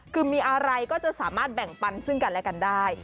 คือมีอะไรก็จะสามารถแบ่งปันซึ่งกันและกันได้